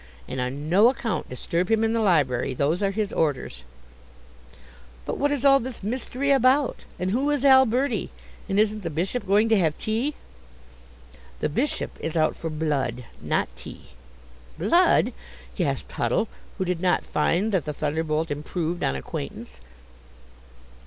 And on no account disturb him in the library. Those are his orders." "But what is all this mystery about? And who is Alberti? And isn't the Bishop going to have tea?" "The Bishop is out for blood, not tea." "Blood!" gasped Huddle, who did not find that the thunderbolt improved on acquaintance.